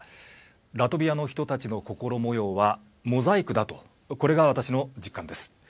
ラトビアの人たちの心模様はモザイクだとこれが私の実感です。